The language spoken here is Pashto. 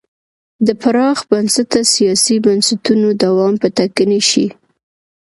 د پراخ بنسټه سیاسي بنسټونو دوام به ټکنی شي.